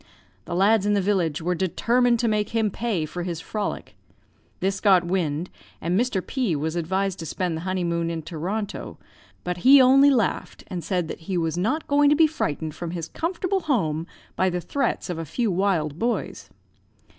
The lads in the village were determined to make him pay for his frolic. This got wind, and Mr. P was advised to spend the honeymoon in Toronto; but he only laughed, and said that 'he was not going to be frightened from his comfortable home by the threats of a few wild boys.'